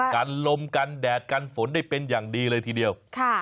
กันลมกันแดดกันฝนได้เป็นอย่างดีเลยทีเดียว